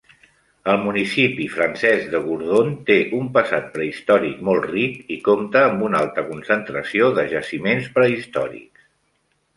El municipi francès de Gourdon té un passat prehistòric molt ric i compta amb una alta concentració de jaciments prehistòrics.